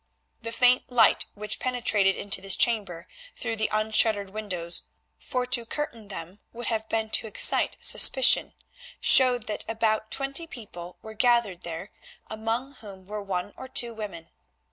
The faint light which penetrated into this chamber through the unshuttered windows, for to curtain them would have been to excite suspicion, showed that about twenty people were gathered there, among whom were one or two women.